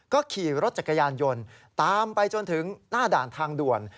ก็ขี่รถจักรยานยนต์ตามไปจนถึงหน้าด่านทางด่วน